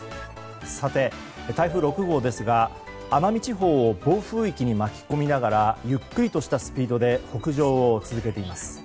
さて、台風６号ですが奄美地方を暴風域に巻き込みながらゆっくりとしたスピードで北上を続けています。